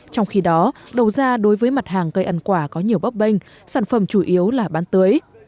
trong khi đó đầu ra đối với mặt hàng cây ăn quả có nhiều bóp bênh sản phẩm chủ yếu là bán tưới